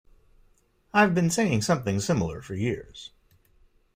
I've been saying something similar for years.